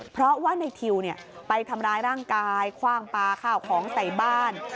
เพราะว่าในทิวไปทำร้ายร่างกายคว่างปลาข้าวของใส่บ้าน